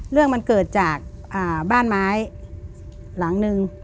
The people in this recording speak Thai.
เรื่องมันเกิดจากบ้านไม้หลังนึง